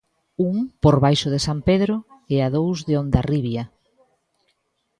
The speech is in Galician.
Un por baixo de San Pedro e a dous de Hondarribia.